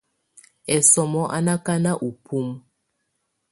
Ɛsɔmɔ á ná ákáná ú bumǝ.